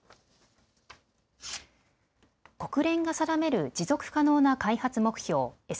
国連が定める持続可能な開発目標